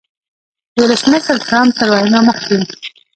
د ولسمشر ټرمپ تر وینا مخکې